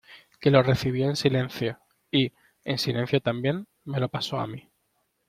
que lo recibió en silencio, y , en silencio también , me lo pasó a mí.